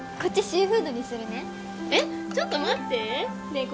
シーフードにするねえっちょっと待ってねえ